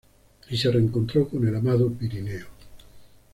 Y se reencontró con el amado Pirineo.